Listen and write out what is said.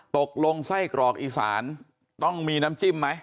ตกลงไส้กรอกอีสานต้องมีน้ำจิ้มไหม